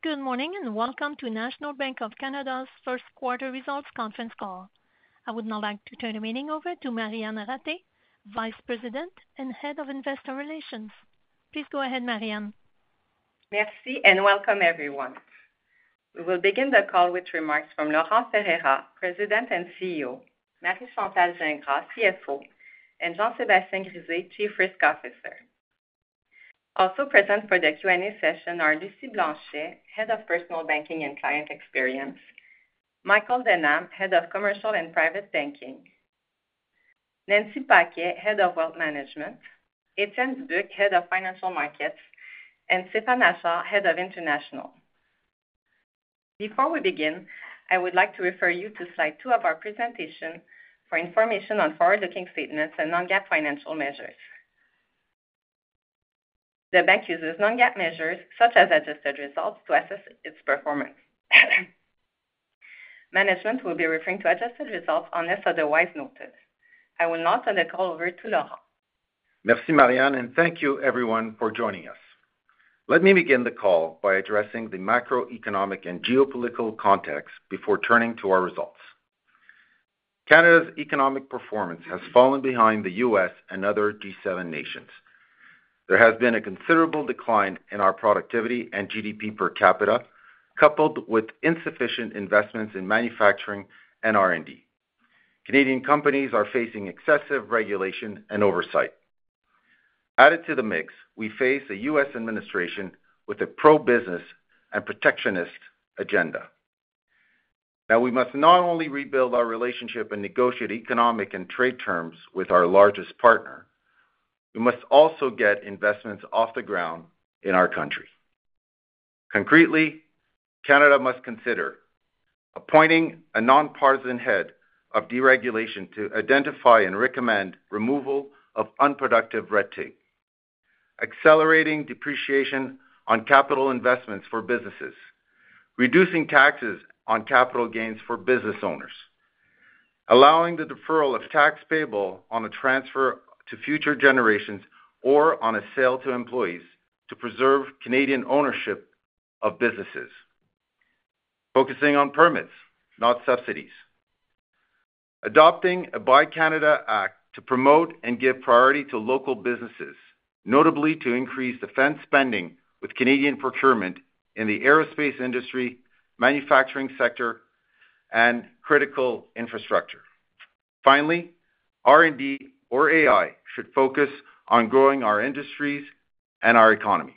Good morning and welcome to National Bank of Canada's first quarter results conference call. I would now like to turn the meeting over to Marianne Ratté, Vice President and Head of Investor Relations. Please go ahead, Marianne. Merci and welcome everyone. We will begin the call with remarks from Laurent Ferreira, President and CEO, Marie Chantal Gingras, CFO, and Jean-Sébastien Grisé, Chief Risk Officer. Also present for the Q&A session are Lucie Blanchet, Head of Personal Banking and Client Experience, Michael Denham, Head of Commercial and Private Banking, Nancy Paquet, Head of Wealth Management, Étienne Dubuc, Head of Financial Markets, and Stéphane Achard, Head of International. Before we begin, I would like to refer you to slide 2 of our presentation for information on forward-looking statements and non-GAAP financial measures. The Bank uses non-GAAP measures such as adjusted results to assess its performance. Management will be referring to adjusted results unless otherwise noted. I will now turn the call over to Laurent. Merci Marianne and thank you everyone for joining us. Let me begin the call by addressing the macroeconomic and geopolitical context before turning to our results. Canada's economic performance has fallen behind the U.S. and other G7 nations. There has been a considerable decline in our productivity and GDP per capita, coupled with insufficient investments in manufacturing and R&D. Canadian companies are facing excessive regulation and oversight. Added to the mix, we face a U.S. administration with a pro-business and protectionist agenda. Now, we must not only rebuild our relationship and negotiate economic and trade terms with our largest partner. We must also get investments off the ground in our country. Concretely, Canada must consider appointing a nonpartisan head of deregulation to identify and recommend removal of unproductive red tape, accelerating depreciation on capital investments for businesses, reducing taxes on capital gains for business owners, allowing the deferral of tax payable on a transfer to future generations or on a sale to employees to preserve Canadian ownership of businesses, focusing on permits, not subsidies, adopting a Buy Canada Act to promote and give priority to local businesses, notably to increase defense spending with Canadian procurement in the aerospace industry, manufacturing sector, and critical infrastructure. Finally, R&D or AI should focus on growing our industries and our economy.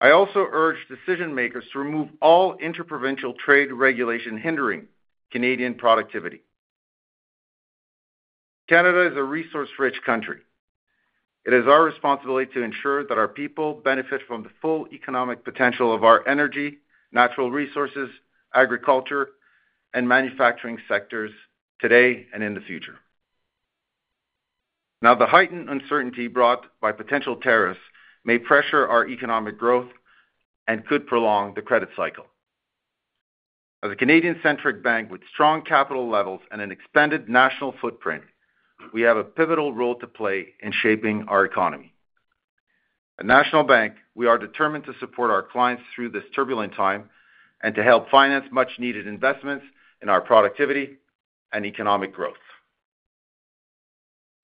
I also urge decision-makers to remove all interprovincial trade regulation hindering Canadian productivity. Canada is a resource-rich country. It is our responsibility to ensure that our people benefit from the full economic potential of our energy, natural resources, agriculture, and manufacturing sectors today and in the future. Now, the heightened uncertainty brought by potential tariffs may pressure our economic growth and could prolong the credit cycle. As a Canadian-centric bank with strong capital levels and an expanded national footprint, we have a pivotal role to play in shaping our economy. At National Bank, we are determined to support our clients through this turbulent time and to help finance much-needed investments in our productivity and economic growth.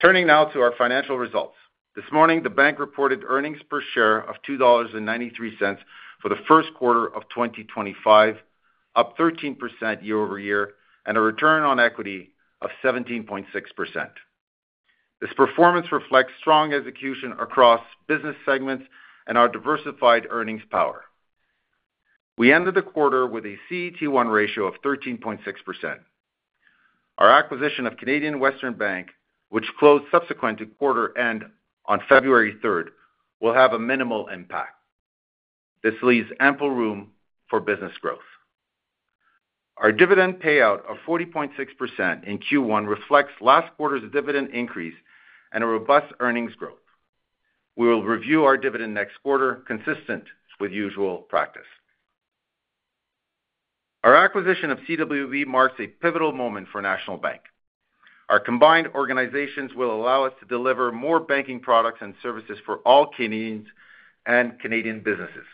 Turning now to our financial results. This morning, the Bank reported earnings per share of 2.93 dollars for the first quarter of 2025, up 13% year-over-year, and a return on equity of 17.6%. This performance reflects strong execution across business segments and our diversified earnings power. We ended the quarter with a CET1 ratio of 13.6%. Our acquisition of Canadian Western Bank, which closed subsequent to quarter-end on February 3rd, will have a minimal impact. This leaves ample room for business growth. Our dividend payout of 40.6% in Q1 reflects last quarter's dividend increase and a robust earnings growth. We will review our dividend next quarter, consistent with usual practice. Our acquisition of CWB marks a pivotal moment for National Bank. Our combined organizations will allow us to deliver more banking products and services for all Canadians and Canadian businesses.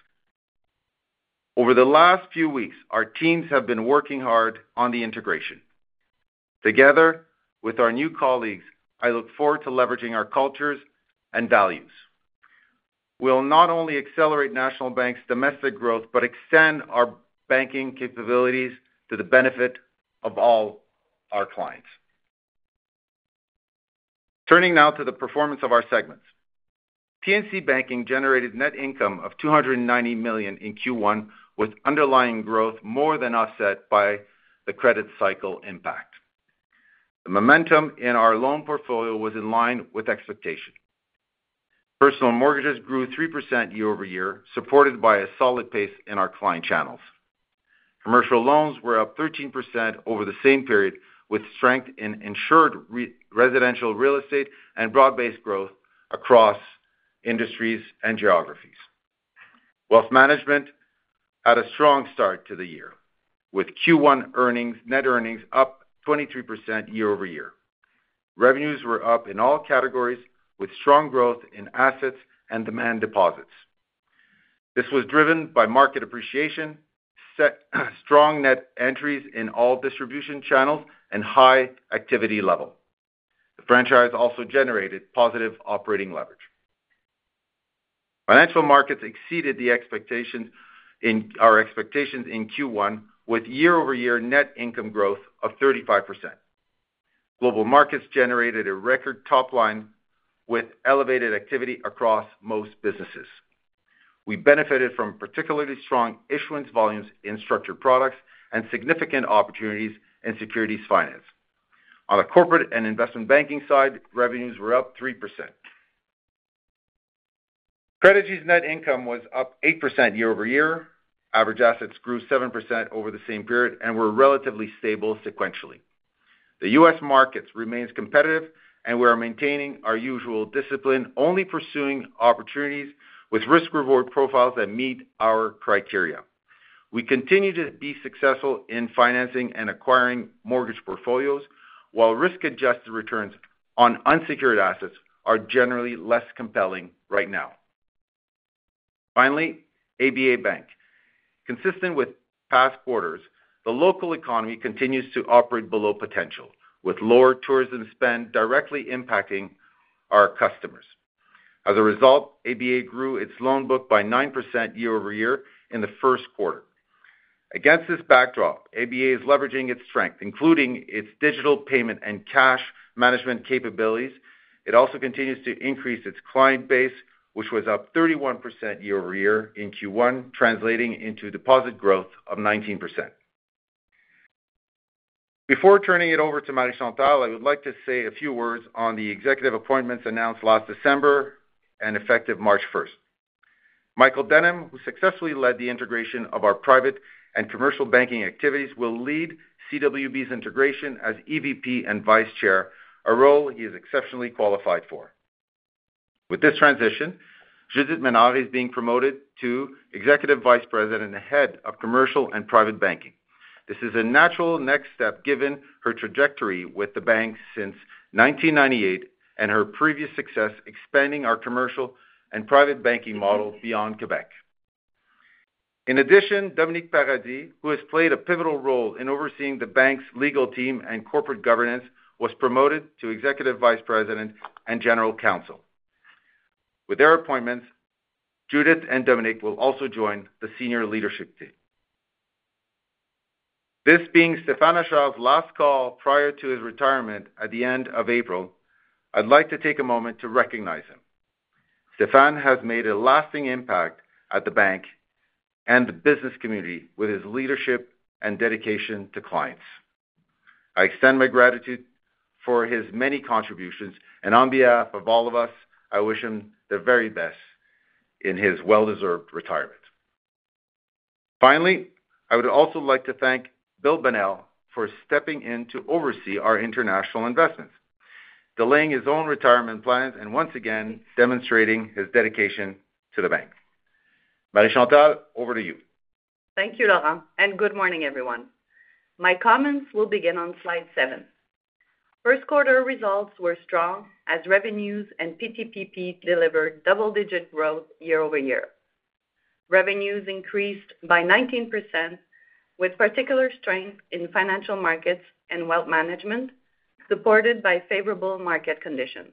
Over the last few weeks, our teams have been working hard on the integration. Together with our new colleagues, I look forward to leveraging our cultures and values. We'll not only accelerate National Bank's domestic growth but extend our banking capabilities to the benefit of all our clients. Turning now to the performance of our segments. National Bank generated net income of 290 million in Q1, with underlying growth more than offset by the credit cycle impact. The momentum in our loan portfolio was in line with expectation. Personal mortgages grew 3% year-over-year, supported by a solid pace in our client channels. Commercial loans were up 13% over the same period, with strength in insured residential real estate and broad-based growth across industries and geographies. Wealth Management had a strong start to the year, with Q1 net earnings up 23% year-over-year. Revenues were up in all categories, with strong growth in assets and demand deposits. This was driven by market appreciation, strong net entries in all distribution channels, and high activity level. The franchise also generated positive operating leverage. Financial Markets exceeded our expectations in Q1, with year-over-year net income growth of 35%. Global markets generated a record top line with elevated activity across most businesses. We benefited from particularly strong issuance volumes in structured products and significant opportunities in securities finance. On the corporate and investment banking side, revenues were up 3%. Credigy's net income was up 8% year-over-year. Average assets grew 7% over the same period and were relatively stable sequentially. The U.S. markets remain competitive, and we are maintaining our usual discipline, only pursuing opportunities with risk-reward profiles that meet our criteria. We continue to be successful in financing and acquiring mortgage portfolios, while risk-adjusted returns on unsecured assets are generally less compelling right now. Finally, ABA Bank. Consistent with past quarters, the local economy continues to operate below potential, with lower tourism spend directly impacting our customers. As a result, ABA grew its loan book by 9% year-over-year in the first quarter. Against this backdrop, ABA is leveraging its strength, including its digital payment and cash management capabilities. It also continues to increase its client base, which was up 31% year-over-year in Q1, translating into deposit growth of 19%. Before turning it over to Marie Chantal, I would like to say a few words on the executive appointments announced last December and effective March 1st. Michael Denham, who successfully led the integration of our private and commercial banking activities, will lead CWB's integration as EVP and Vice Chair, a role he is exceptionally qualified for. With this transition, Judith Ménard is being promoted to Executive Vice President and Head of Commercial and Private Banking. This is a natural next step, given her trajectory with the Bank since 1998 and her previous success expanding our commercial and private banking model beyond Québec. In addition, Dominic Paradis, who has played a pivotal role in overseeing the Bank's legal team and corporate governance, was promoted to Executive Vice President and General Counsel. With their appointments, Judith and Dominic will also join the senior leadership team. This being Stéphane Achard's last call prior to his retirement at the end of April, I'd like to take a moment to recognize him. Stéphane has made a lasting impact at the Bank and the business community with his leadership and dedication to clients. I extend my gratitude for his many contributions, and on behalf of all of us, I wish him the very best in his well-deserved retirement. Finally, I would also like to thank Bill Bonnell for stepping in to oversee our international investments, delaying his own retirement plans, and once again demonstrating his dedication to the Bank. Marie Chantal, over to you. Thank you, Laurent, and good morning, everyone. My comments will begin on slide seven. First quarter results were strong as revenues and PTPP delivered double-digit growth year-over-year. Revenues increased by 19%, with particular strength in financial markets and wealth management, supported by favorable market conditions.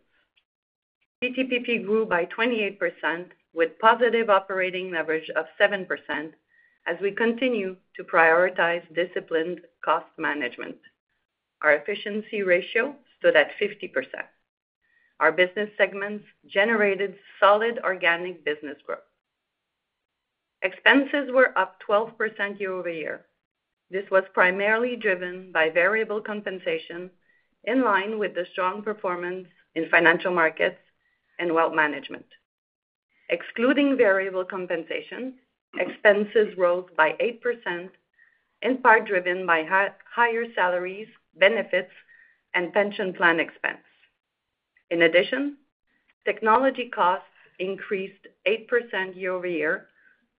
PTPP grew by 28%, with positive operating leverage of 7%, as we continue to prioritize disciplined cost management. Our efficiency ratio stood at 50%. Our business segments generated solid organic business growth. Expenses were up 12% year-over-year. This was primarily driven by variable compensation, in line with the strong performance in financial markets and wealth management. Excluding variable compensation, expenses rose by 8%, in part driven by higher salaries, benefits, and pension plan expense. In addition, technology costs increased 8% year-over-year,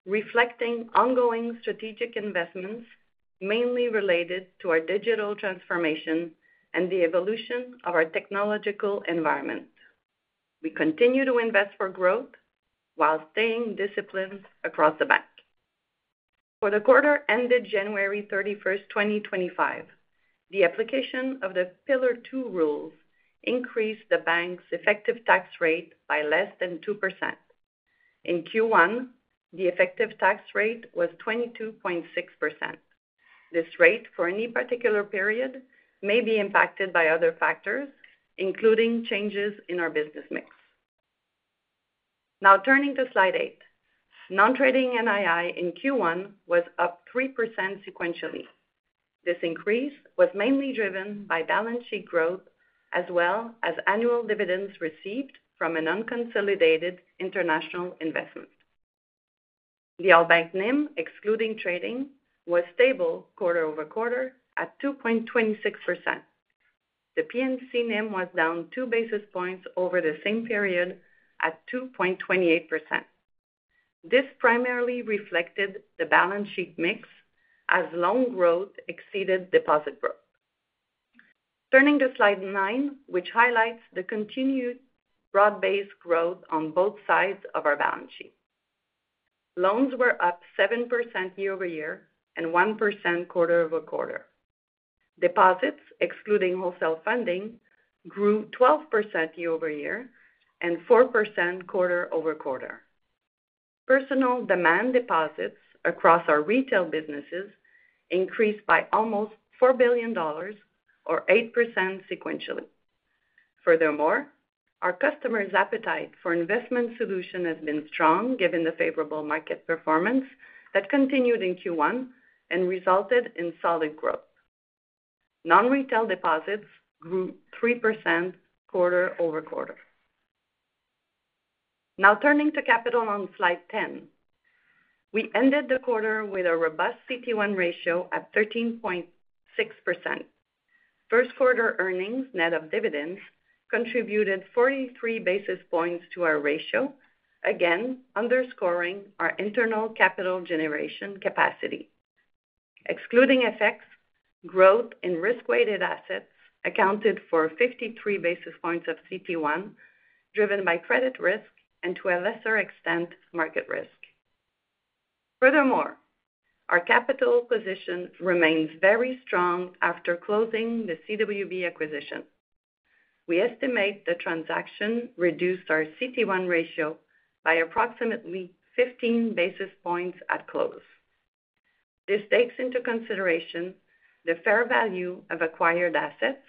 reflecting ongoing strategic investments mainly related to our digital transformation and the evolution of our technological environment. We continue to invest for growth while staying disciplined across the Bank. For the quarter ended January 31st, 2025, the application of the Pillar 2 rules increased the Bank's effective tax rate by less than 2%. In Q1, the effective tax rate was 22.6%. This rate for any particular period may be impacted by other factors, including changes in our business mix. Now, turning to slide eight, non-trading NII in Q1 was up 3% sequentially. This increase was mainly driven by balance sheet growth, as well as annual dividends received from an unconsolidated international investment. The All Bank NIM, excluding trading, was stable quarter-over-quarter at 2.26%. The P&C NIM was down 2 basis points over the same period at 2.28%. This primarily reflected the balance sheet mix, as loan growth exceeded deposit growth. Turning to slide nine, which highlights the continued broad-based growth on both sides of our balance sheet. Loans were up 7% year-over-year and 1% quarter-over-quarter. Deposits, excluding wholesale funding, grew 12% year-over-year and 4% quarter-over-quarter. Personal demand deposits across our retail businesses increased by almost 4 billion dollars, or 8% sequentially. Furthermore, our customers' appetite for investment solutions has been strong, given the favorable market performance that continued in Q1 and resulted in solid growth. Non-retail deposits grew 3% quarter-over-quarter. Now, turning to capital on slide 10, we ended the quarter with a robust CET1 ratio at 13.6%. First quarter earnings net of dividends contributed 43 basis points to our ratio, again underscoring our internal capital generation capacity. Excluding FX, growth in risk-weighted assets accounted for 53 basis points of CET1, driven by credit risk and, to a lesser extent, market risk. Furthermore, our capital position remains very strong after closing the CWB acquisition. We estimate the transaction reduced our CET1 ratio by approximately 15 basis points at close. This takes into consideration the fair value of acquired assets,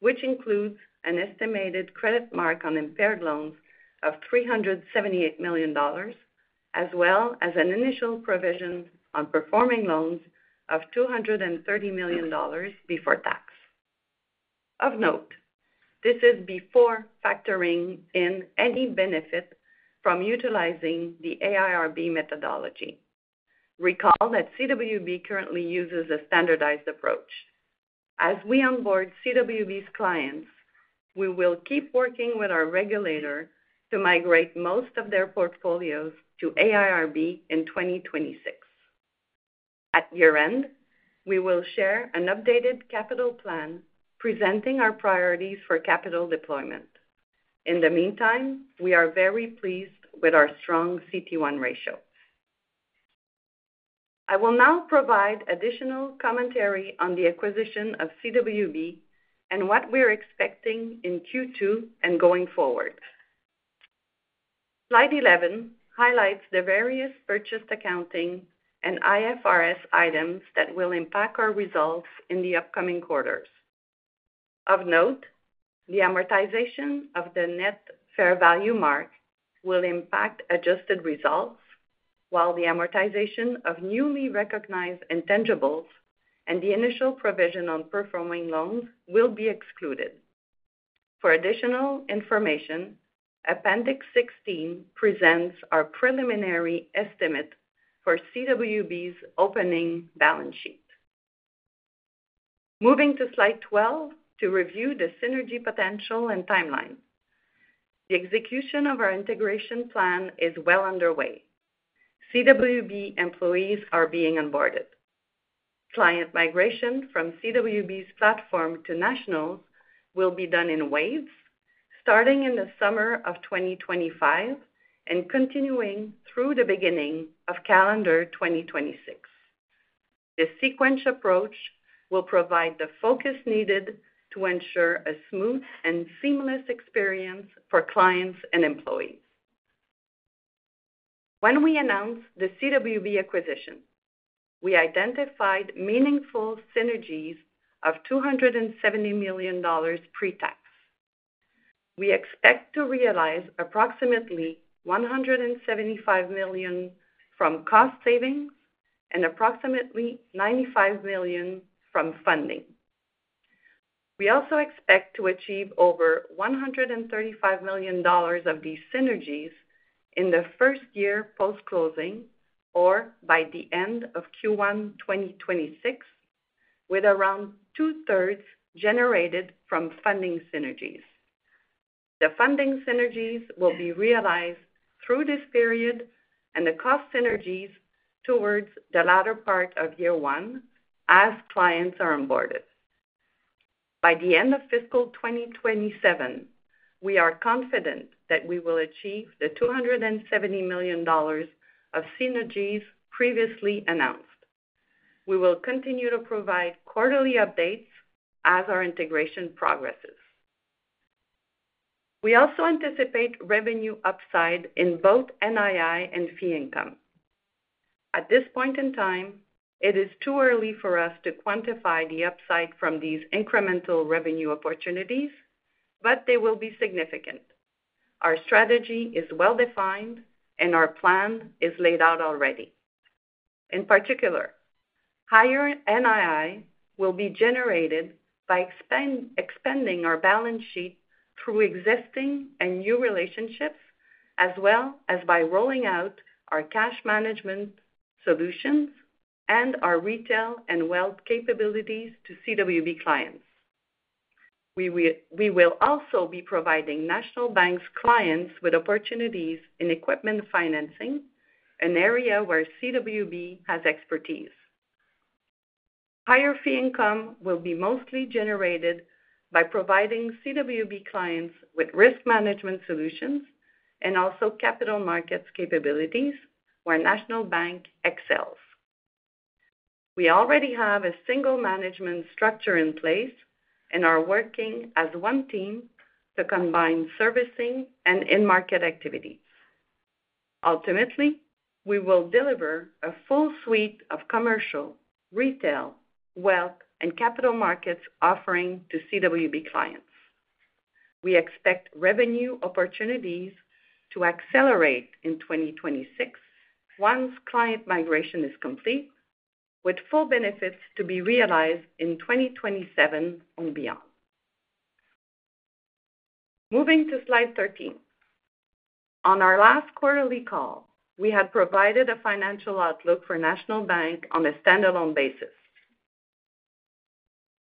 which includes an estimated credit mark on impaired loans of 378 million dollars, as well as an initial provision on performing loans of 230 million dollars before tax. Of note, this is before factoring in any benefit from utilizing the AIRB methodology. Recall that CWB currently uses a standardized approach. As we onboard CWB's clients, we will keep working with our regulator to migrate most of their portfolios to AIRB in 2026. At year-end, we will share an updated capital plan, presenting our priorities for capital deployment. In the meantime, we are very pleased with our strong CET1 ratio. I will now provide additional commentary on the acquisition of CWB and what we're expecting in Q2 and going forward. Slide 11 highlights the various purchased accounting and IFRS items that will impact our results in the upcoming quarters. Of note, the amortization of the net fair value mark will impact adjusted results, while the amortization of newly recognized intangibles and the initial provision on performing loans will be excluded. For additional information, Appendix 16 presents our preliminary estimate for CWB's opening balance sheet. Moving to slide 12 to review the synergy potential and timeline. The execution of our integration plan is well underway. CWB employees are being onboarded. Client migration from CWB's platform to National's will be done in waves, starting in the summer of 2025 and continuing through the beginning of calendar 2026. This sequential approach will provide the focus needed to ensure a smooth and seamless experience for clients and employees. When we announced the CWB acquisition, we identified meaningful synergies of $270 million pre-tax. We expect to realize approximately $175 million from cost savings and approximately $95 million from funding. We also expect to achieve over $135 million of these synergies in the first year post-closing or by the end of Q1 2026, with around 2/3 generated from funding synergies. The funding synergies will be realized through this period and the cost synergies towards the latter part of year-one as clients are onboarded. By the end of fiscal 2027, we are confident that we will achieve the $270 million of synergies previously announced. We will continue to provide quarterly updates as our integration progresses. We also anticipate revenue upside in both NII and fee income. At this point in time, it is too early for us to quantify the upside from these incremental revenue opportunities, but they will be significant. Our strategy is well-defined, and our plan is laid out already. In particular, higher NII will be generated by expanding our balance sheet through existing and new relationships, as well as by rolling out our cash management solutions and our retail and wealth capabilities to CWB clients. We will also be providing National Bank's clients with opportunities in equipment financing, an area where CWB has expertise. Higher fee income will be mostly generated by providing CWB clients with risk management solutions and also capital markets capabilities, where National Bank excels. We already have a single management structure in place and are working as one team to combine servicing and in-market activities. Ultimately, we will deliver a full suite of commercial, retail, wealth, and capital markets offering to CWB clients. We expect revenue opportunities to accelerate in 2026 once client migration is complete, with full benefits to be realized in 2027 and beyond. Moving to slide 13. On our last quarterly call, we had provided a financial outlook for National Bank on a standalone basis.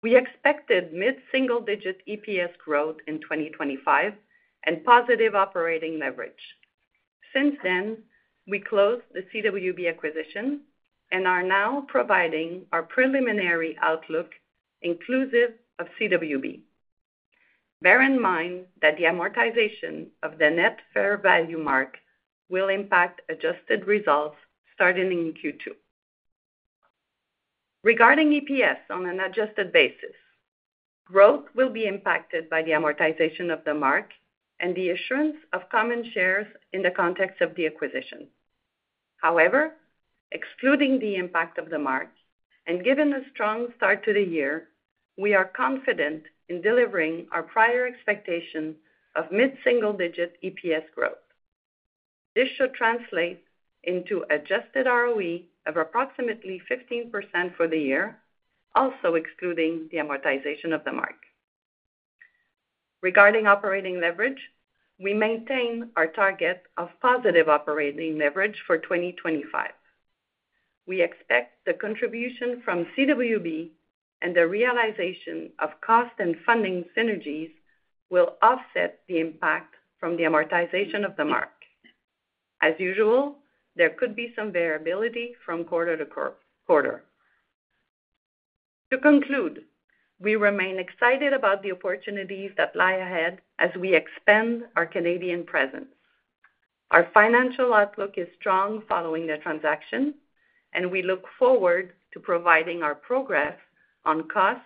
We expected mid-single-digit EPS growth in 2025 and positive operating leverage. Since then, we closed the CWB acquisition and are now providing our preliminary outlook inclusive of CWB. Bear in mind that the amortization of the net fair value mark will impact adjusted results starting in Q2. Regarding EPS on an adjusted basis, growth will be impacted by the amortization of the mark and the issuance of common shares in the context of the acquisition. However, excluding the impact of the mark and given a strong start to the year, we are confident in delivering our prior expectation of mid-single-digit EPS growth. This should translate into adjusted ROE of approximately 15% for the year, also excluding the amortization of the mark. Regarding operating leverage, we maintain our target of positive operating leverage for 2025. We expect the contribution from CWB and the realization of cost and funding synergies will offset the impact from the amortization of the mark. As usual, there could be some variability from quarter to quarter. To conclude, we remain excited about the opportunities that lie ahead as we expand our Canadian presence. Our financial outlook is strong following the transaction, and we look forward to providing our progress on cost,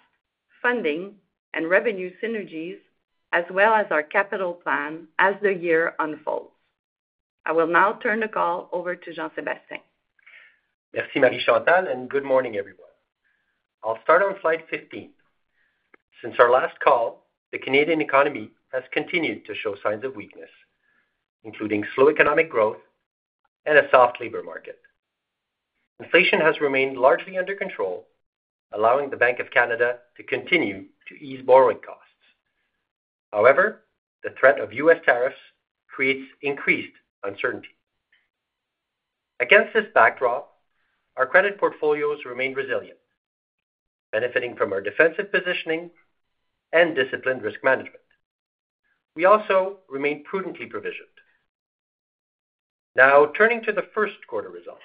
funding, and revenue synergies, as well as our capital plan as the year unfolds. I will now turn the call over to Jean-Sébastien. Merci, Marie Chantal, and good morning, everyone. I'll start on slide 15. Since our last call, the Canadian economy has continued to show signs of weakness, including slow economic growth and a soft labor market. Inflation has remained largely under control, allowing the Bank of Canada to continue to ease borrowing costs. However, the threat of U.S. tariffs creates increased uncertainty. Against this backdrop, our credit portfolios remain resilient, benefiting from our defensive positioning and disciplined risk management. We also remain prudently provisioned. Now, turning to the first quarter results,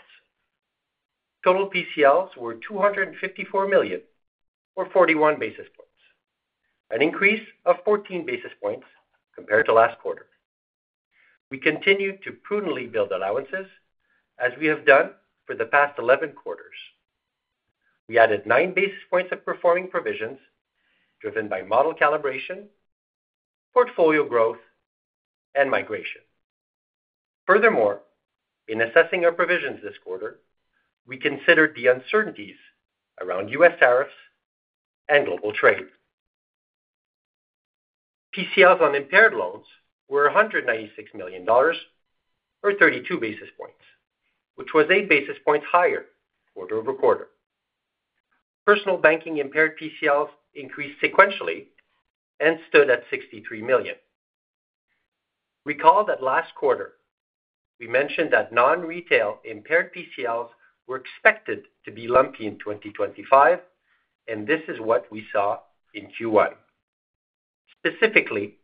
total PCLs were 254 million, or 41 basis points, an increase of 14 basis points compared to last quarter. We continue to prudently build allowances, as we have done for the past 11 quarters. We added nine basis points of performing provisions, driven by model calibration, portfolio growth, and migration. Furthermore, in assessing our provisions this quarter, we considered the uncertainties around U.S. tariffs and global trade. PCLs on impaired loans were 196 million dollars, or 32 basis points, which was 8 basis points higher quarter-over-quarter. Personal banking impaired PCLs increased sequentially and stood at 63 million. Recall that last quarter, we mentioned that non-retail impaired PCLs were expected to be lumpy in 2025, and this is what we saw in Q1. Specifically,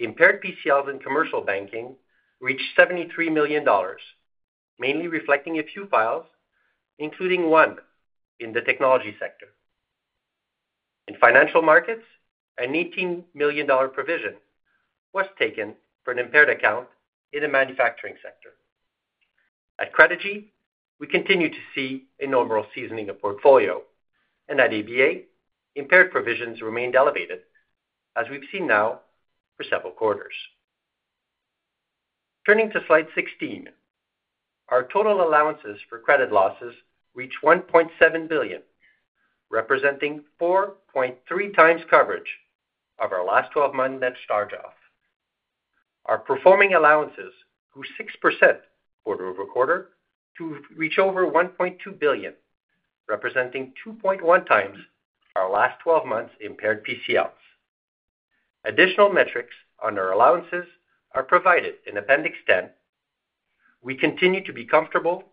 impaired PCLs in commercial banking reached 73 million dollars, mainly reflecting a few files, including one in the technology sector. In financial markets, an 18 million dollar provision was taken for an impaired account in the manufacturing sector. At Credigy, we continue to see a normal seasoning of portfolio, and at ABA, impaired provisions remained elevated, as we've seen now for several quarters. Turning to slide 16, our total allowances for credit losses reached 1.7 billion, representing 4.3x coverage of our last 12-month net charge-off. Our performing allowances grew 6% quarter-over-quarter to reach over 1.2 billion, representing 2.1x our last 12 months' impaired PCLs. Additional metrics on our allowances are provided in Appendix 10. We continue to be comfortable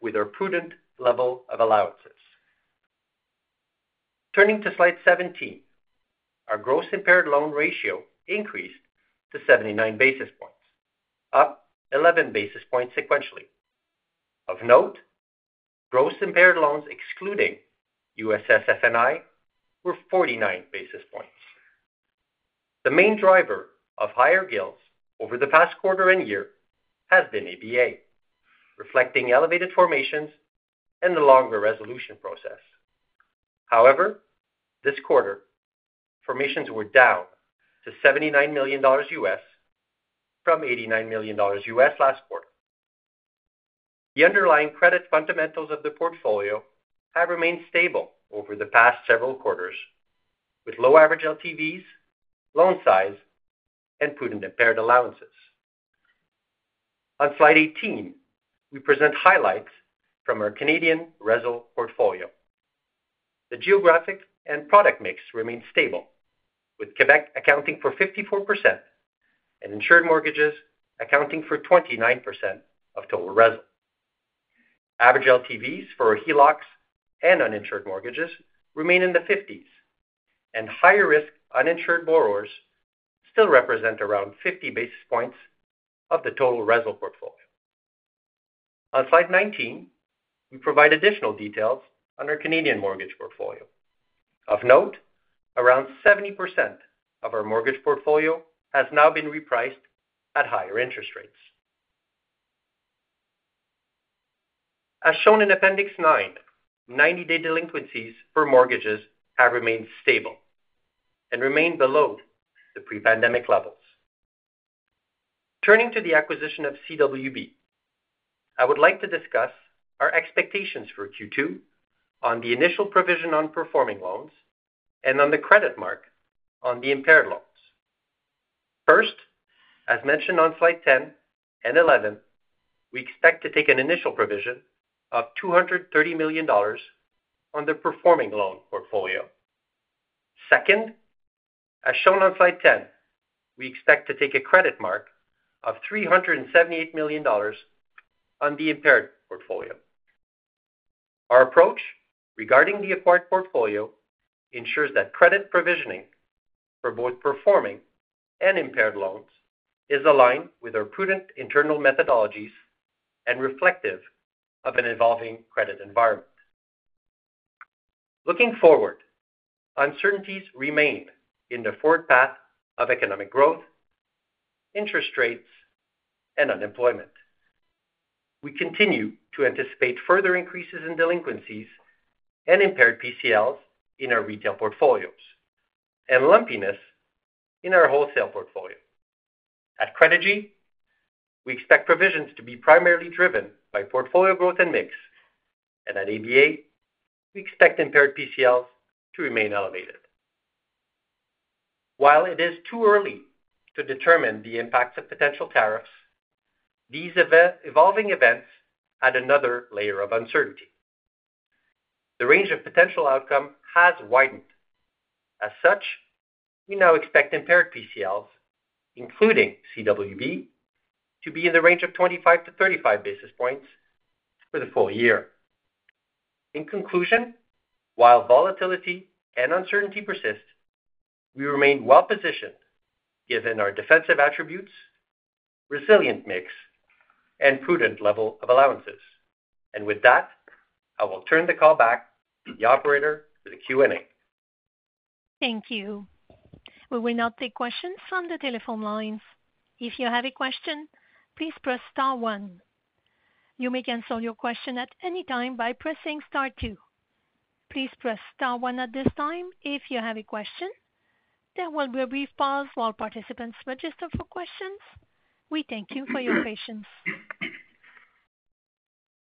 with our prudent level of allowances. Turning to slide 17, our gross impaired loan ratio increased to 79 basis points, up 11 basis points sequentially. Of note, gross impaired loans excluding USSF&I were 49 basis points. The main driver of higher GILs over the past quarter and year has been ABA, reflecting elevated formations and the longer resolution process. However, this quarter, formations were down to $79 million U.S. from $89 million U.S. last quarter. The underlying credit fundamentals of the portfolio have remained stable over the past several quarters, with low average LTVs, loan size, and prudent impaired allowances. On slide 18, we present highlights from our Canadian RESL portfolio. The geographic and product mix remains stable, with Quebec accounting for 54% and insured mortgages accounting for 29% of total RESL. Average LTVs for HELOCs and uninsured mortgages remain in the 50s, and higher risk uninsured borrowers still represent around 50 basis points of the total RESL portfolio. On slide 19, we provide additional details on our Canadian mortgage portfolio. Of note, around 70% of our mortgage portfolio has now been repriced at higher interest rates. As shown in Appendix 9, 90-day delinquencies for mortgages have remained stable and remain below the pre-pandemic levels. Turning to the acquisition of CWB, I would like to discuss our expectations for Q2 on the initial provision on performing loans and on the credit mark on the impaired loans. First, as mentioned on slide 10 and 11, we expect to take an initial provision of 230 million dollars on the performing loan portfolio. Second, as shown on slide 10, we expect to take a credit mark of 378 million dollars on the impaired portfolio. Our approach regarding the acquired portfolio ensures that credit provisioning for both performing and impaired loans is aligned with our prudent internal methodologies and reflective of an evolving credit environment. Looking forward, uncertainties remain in the forward path of economic growth, interest rates, and unemployment. We continue to anticipate further increases in delinquencies and impaired PCLs in our retail portfolios and lumpiness in our wholesale portfolio. At Credigy, we expect provisions to be primarily driven by portfolio growth and mix, and at ABA, we expect impaired PCLs to remain elevated. While it is too early to determine the impacts of potential tariffs, these evolving events add another layer of uncertainty. The range of potential outcome has widened. As such, we now expect impaired PCLs, including CWB, to be in the range of 25 to 35 basis points for the full year. In conclusion, while volatility and uncertainty persist, we remain well-positioned given our defensive attributes, resilient mix, and prudent level of allowances. And with that, I will turn the call back to the operator for the Q&A. Thank you. We will now take questions from the telephone lines. If you have a question, please press Star one. You may cancel your question at any time by pressing Star two. Please press Star 1 at this time if you have a question. There will be a brief pause while participants register for questions. We thank you for your patience.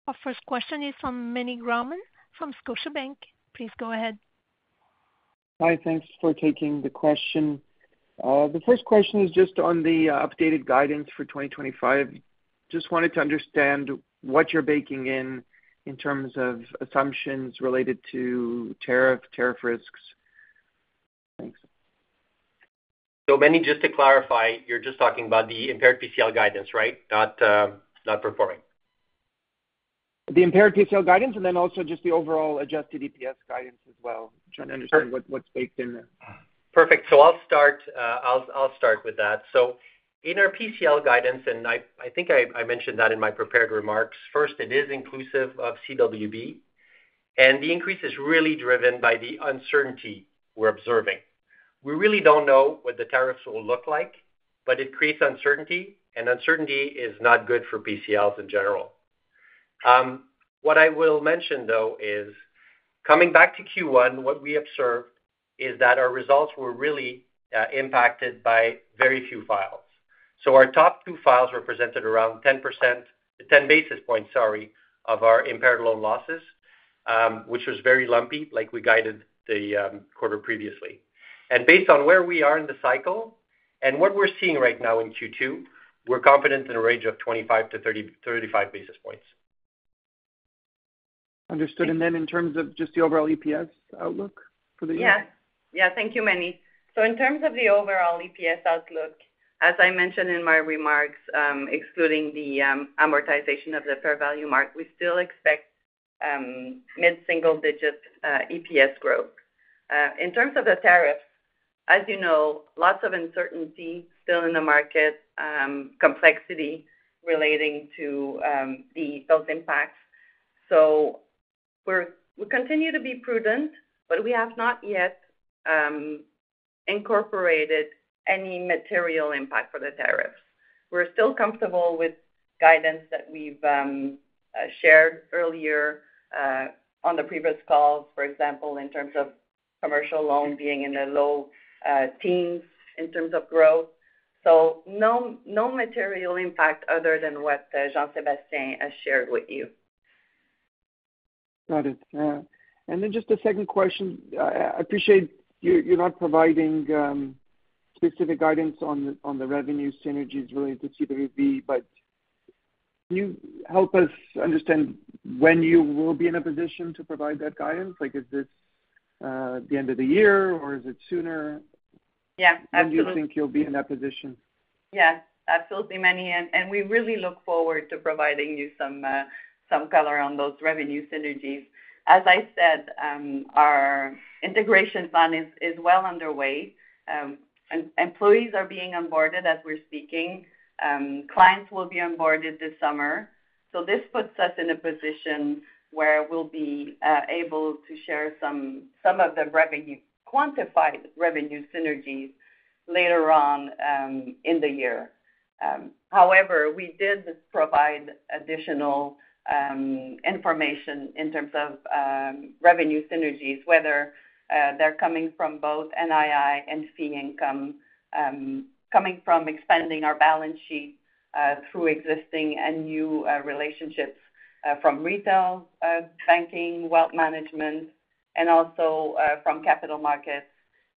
Our first question is from Meny Grauman from Scotiabank. Please go ahead. Hi. Thanks for taking the question. The first question is just on the updated guidance for 2025. Just wanted to understand what you're baking in in terms of assumptions related to tariff, tariff risks. Thanks. So Meny, just to clarify, you're just talking about the impaired PCL guidance, right? Not performing. The impaired PCL guidance and then also just the overall adjusted EPS guidance as well. Trying to understand what's baked in there. Perfect. So I'll start with that. So in our PCL guidance, and I think I mentioned that in my prepared remarks, first, it is inclusive of CWB, and the increase is really driven by the uncertainty we're observing. We really don't know what the tariffs will look like, but it creates uncertainty, and uncertainty is not good for PCLs in general. What I will mention, though, is coming back to Q1, what we observed is that our results were really impacted by very few files. So our top two files represented around 10 basis points, sorry, of our impaired loan losses, which was very lumpy, like we guided the quarter previously. And based on where we are in the cycle and what we're seeing right now in Q2, we're confident in a range of 25-35 basis points. Understood. And then in terms of just the overall EPS outlook for the year? Yes. Yeah. Thank you, Meny. So in terms of the overall EPS outlook, as I mentioned in my remarks, excluding the amortization of the fair value mark, we still expect mid-single-digit EPS growth. In terms of the tariffs, as you know, lots of uncertainty still in the market, complexity relating to those impacts. So we continue to be prudent, but we have not yet incorporated any material impact for the tariffs. We're still comfortable with guidance that we've shared earlier on the previous calls, for example, in terms of commercial loan being in the low teens in terms of growth. So no material impact other than what Jean-Sébastien has shared with you. Got it. And then just a second question. I appreciate you're not providing specific guidance on the revenue synergies related to CWB, but can you help us understand when you will be in a position to provide that guidance? Is this the end of the year, or is it sooner? Yeah. Absolutely. When do you think you'll be in that position? Yes. Absolutely, Meny, and we really look forward to providing you some color on those revenue synergies. As I said, our integration plan is well underway. Employees are being onboarded as we're speaking. Clients will be onboarded this summer. So this puts us in a position where we'll be able to share some of the quantified revenue synergies later on in the year. However, we did provide additional information in terms of revenue synergies, whether they're coming from both NII and fee income, coming from expanding our balance sheet through existing and new relationships from retail banking, wealth management, and also from capital markets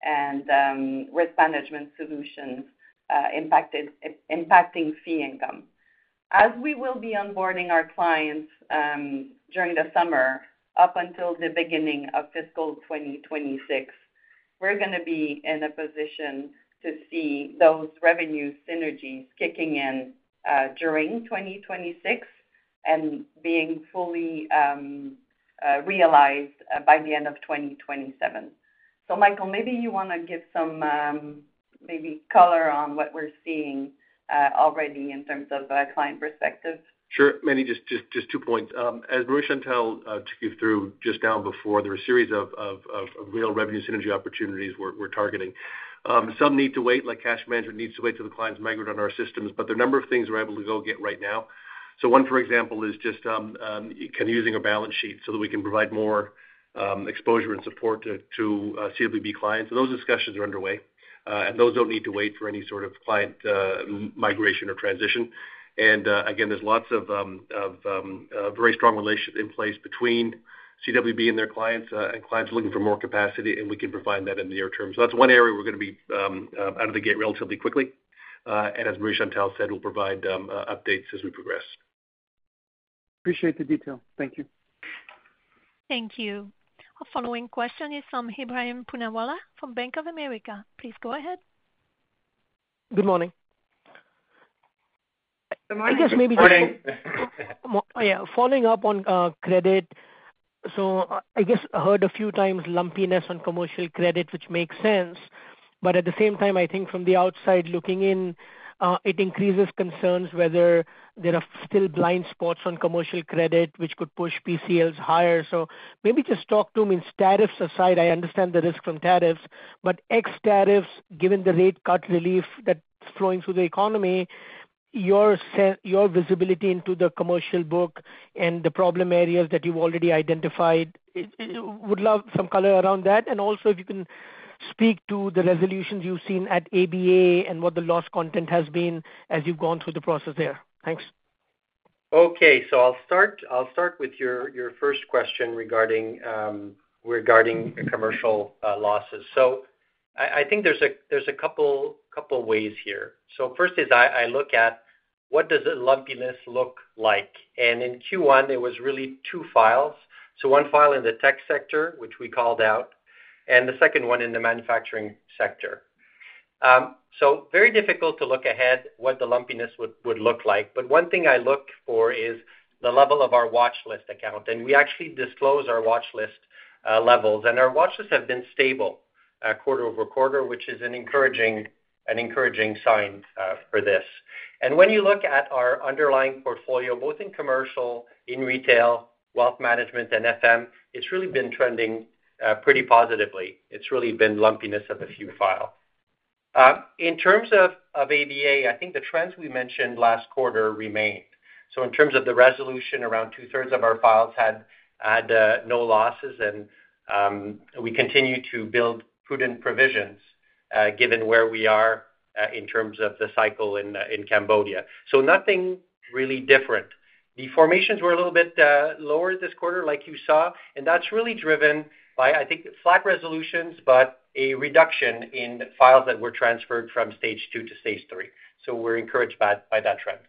and risk management solutions impacting fee income. As we will be onboarding our clients during the summer up until the beginning of fiscal 2026, we're going to be in a position to see those revenue synergies kicking in during 2026 and being fully realized by the end of 2027. So, Michael, maybe you want to give some color on what we're seeing already in terms of client perspective. Sure. Marie, just two points. As Marisha and Tal took you through just now before, there were a series of real revenue synergy opportunities we're targeting. Some need to wait, like cash management needs to wait till the clients migrate on our systems, but there are a number of things we're able to go get right now. So one, for example, is just kind of using our balance sheet so that we can provide more exposure and support to CWB clients. Those discussions are underway, and those don't need to wait for any sort of client migration or transition. And again, there's lots of very strong relationships in place between CWB and their clients and clients looking for more capacity, and we can provide that in the near term. So that's one area we're going to be out of the gate relatively quickly. And as Marie Chantal said, we'll provide updates as we progress. Appreciate the detail. Thank you. Thank you. Our following question is from Ebrahim Poonawala from Bank of America. Please go ahead. Good morning. Good morning. I guess maybe just following up on credit. So I guess I heard a few times lumpiness on commercial credit, which makes sense. But at the same time, I think from the outside looking in, it increases concerns whether there are still blind spots on commercial credit, which could push PCLs higher. So maybe just talk to me. Tariffs aside, I understand the risk from tariffs, but ex-tariffs, given the rate cut relief that's flowing through the economy, your visibility into the commercial book and the problem areas that you've already identified, would love some color around that. And also, if you can speak to the resolutions you've seen at ABA and what the loss content has been as you've gone through the process there. Thanks. Okay. So I'll start with your first question regarding commercial losses. So I think there's a couple of ways here. So first is I look at what does the lumpiness look like. And in Q1, it was really two files. So one file in the tech sector, which we called out, and the second one in the manufacturing sector. So very difficult to look ahead what the lumpiness would look like. But one thing I look for is the level of our watchlist account. And we actually disclose our watchlist levels. And our watchlist has been stable quarter-over-quarter, which is an encouraging sign for this. And when you look at our underlying portfolio, both in commercial, in retail, wealth management, and FM, it's really been trending pretty positively. It's really been lumpiness of a few files. In terms of ABA, I think the trends we mentioned last quarter remained. So in terms of the resolution, around two-thirds of our files had no losses, and we continue to build prudent provisions given where we are in terms of the cycle in Cambodia. So nothing really different. The formations were a little bit lower this quarter, like you saw. And that's really driven by, I think, flat resolutions, but a reduction in files that were transferred from stage two to stage three. So we're encouraged by that trend.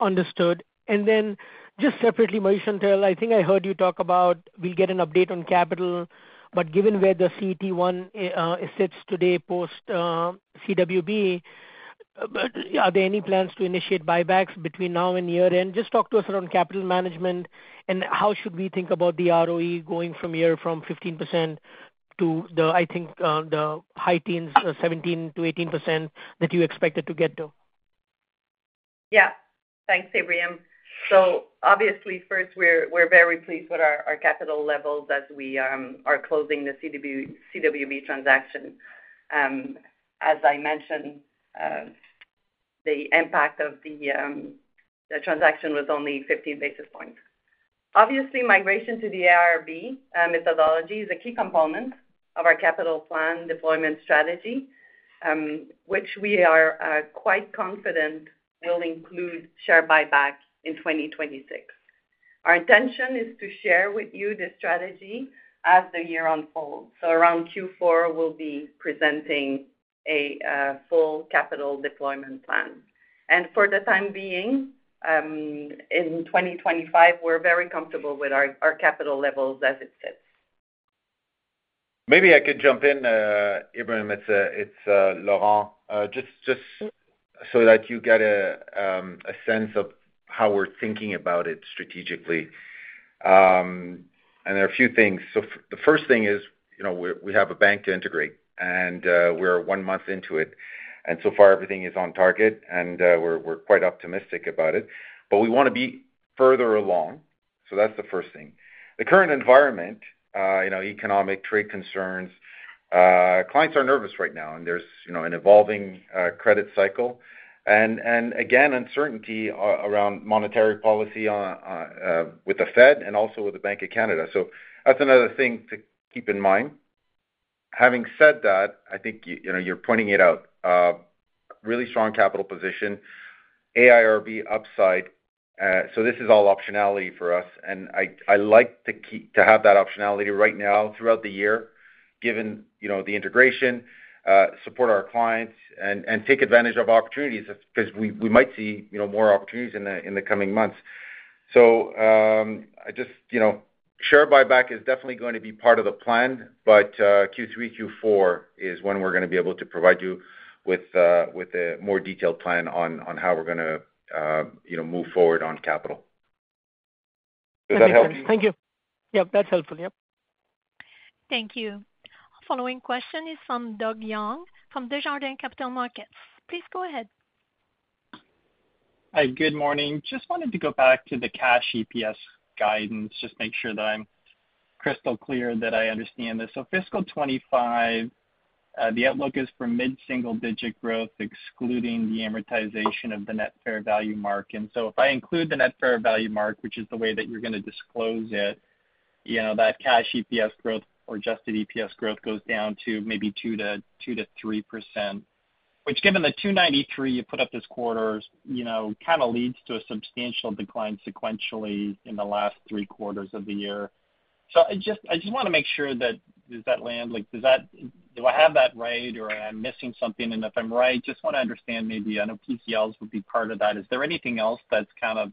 Understood. And then just separately, Marie Chantal, I think I heard you talk about we'll get an update on capital, but given where the CET1 sits today post-CWB, are there any plans to initiate buybacks between now and year-end? Just talk to us around capital management and how should we think about the ROE going from here from 15% to, I think, the high teens, 17%-18% that you expected to get to. Yeah. Thanks, Ebrahim. So obviously, first, we're very pleased with our capital levels as we are closing the CWB transaction. As I mentioned, the impact of the transaction was only 15 basis points. Obviously, migration to the AIRB methodology is a key component of our capital plan deployment strategy, which we are quite confident will include share buyback in 2026. Our intention is to share with you the strategy as the year unfolds, so around Q4, we'll be presenting a full capital deployment plan. For the time being, in 2025, we're very comfortable with our capital levels as it sits. Maybe I could jump in, Ebrahim. It's Laurent. Just so that you get a sense of how we're thinking about it strategically, and there are a few things. The first thing is we have a bank to integrate, and we're one month into it. So far, everything is on target, and we're quite optimistic about it. We want to be further along. That's the first thing. The current environment, economic trade concerns, clients are nervous right now, and there's an evolving credit cycle, and again, uncertainty around monetary policy with the Fed and also with the Bank of Canada, so that's another thing to keep in mind. Having said that, I think you're pointing it out, really strong capital position, AIRB upside, so this is all optionality for us, and I like to have that optionality right now throughout the year, given the integration, support our clients, and take advantage of opportunities because we might see more opportunities in the coming months, so just share buyback is definitely going to be part of the plan, but Q3, Q4 is when we're going to be able to provide you with a more detailed plan on how we're going to move forward on capital. Does that help? Thank you. Yep. That's helpful. Yep. Thank you. Following question is from Doug Young from Desjardins Capital Markets. Please go ahead. Hi. Good morning. Just wanted to go back to the cash EPS guidance, just make sure that I'm crystal clear that I understand this. So fiscal 2025, the outlook is for mid-single-digit growth, excluding the amortization of the net fair value mark. And so if I include the net fair value mark, which is the way that you're going to disclose it, that cash EPS growth or adjusted EPS growth goes down to maybe 2% to 3%, which given the $2.93 you put up this quarter kind of leads to a substantial decline sequentially in the last three quarters of the year. So I just want to make sure that. Does that land? Do I have that right, or am I missing something? And if I'm right, just want to understand maybe I know PCLs would be part of that. Is there anything else that's kind of